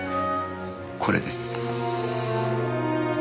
これです。